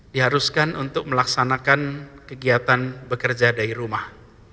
diharuskan untuk melaksanakan kegiatan bekerja dari rumah